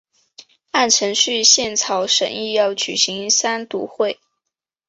按程序宪草审议要举行三读会。